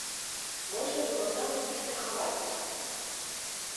Можна было нават не страхавацца.